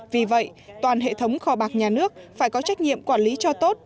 vì vậy toàn hệ thống kho bạc nhà nước phải có trách nhiệm quản lý cho tốt